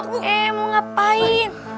eh mau ngapain